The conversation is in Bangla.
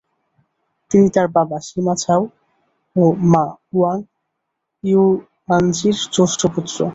তিনি তার বাবা সিমা ঝাও ও মা ওয়াং ইউয়ানজির জ্যেষ্ঠ পুত্র।